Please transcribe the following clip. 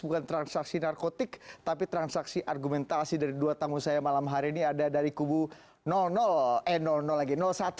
bukan transaksi narkotik tapi transaksi argumentasi dari dua tamu saya malam hari ini ada dari kubu eh lagi satu